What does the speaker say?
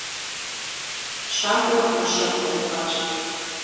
Щакӏуэр мыщэм пэуващ.